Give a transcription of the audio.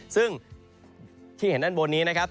ซึ่งที่เห็นด้านบนนี้นะครับ